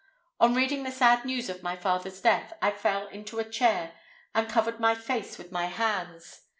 On reading the sad news of my father's death, I fell into a chair, and covered my face with my hands.